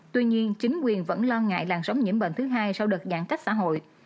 tuy nhiên chính quyền vẫn lo ngại làn sóng nhiễm bệnh thứ hai sau đợt giãn cách xã hội